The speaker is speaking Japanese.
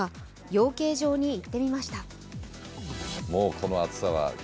養鶏場に行ってみました。